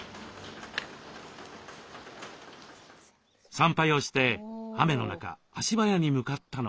参拝をして雨の中足早に向かったのは。